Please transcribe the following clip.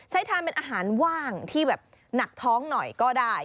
ทานเป็นอาหารว่างที่แบบหนักท้องหน่อยก็ได้